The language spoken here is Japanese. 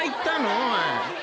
お前。